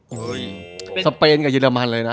โอ๊ยสเฟรนกับเย็นละมันเลยนะ